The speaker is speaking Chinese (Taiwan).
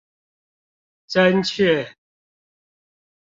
真確